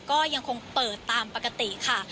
ก็ยังคงเปิดตามปกติค่ะ